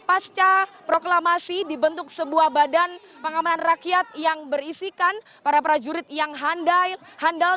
pasca proklamasi dibentuk sebuah badan pengamanan rakyat yang berisikan para prajurit yang handal